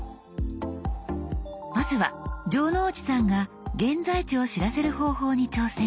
まずは城之内さんが現在地を知らせる方法に挑戦。